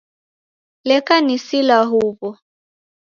Leka nilisa huw'o.